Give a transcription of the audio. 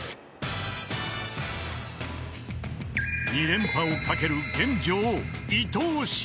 ［２連覇をかける］